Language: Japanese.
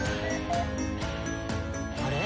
あれ？